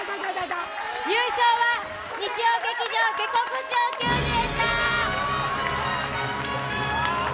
優勝は日曜劇場「下剋上球児」でした！